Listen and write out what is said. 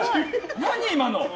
何、今の？